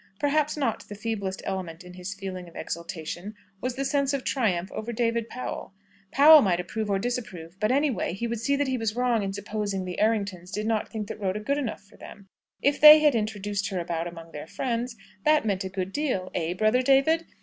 Perhaps not the feeblest element in his feeling of exultation was the sense of triumph over David Powell. Powell might approve or disapprove, but anyway, he would see that he was wrong in supposing the Erringtons did not think Rhoda good enough for them! If they introduced her about among their friends, that meant a good deal, eh, brother David?